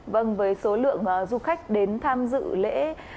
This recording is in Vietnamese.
vâng với số lượng du khách đến tham dự lễ